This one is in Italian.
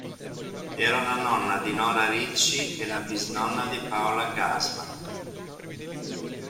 Era la nonna di Nora Ricci e la bisnonna di Paola Gassman.